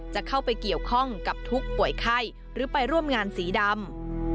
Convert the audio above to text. จะเข้าไปเกี่ยวข้องกับทุกข์ป่วยไข้หรือไปร่วมงานสีดำ